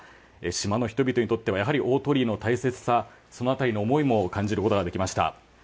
島の人々にとってはやはり大鳥居の大切さその辺りの思いも感じることができました。